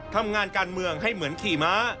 ทำงานการเมืองให้เหมือนขี่ม้า